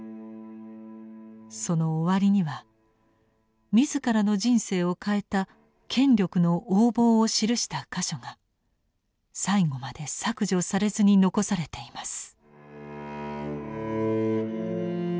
その終わりには自らの人生を変えた権力の横暴を記した箇所が最後まで削除されずに残されています。